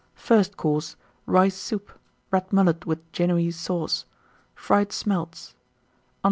FIRST COURSE. Rice Soup. Red Mullet, with Génoise Sauce. Fried Smelts.